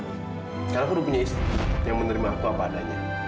karena aku udah punya istri yang menerima aku apa adanya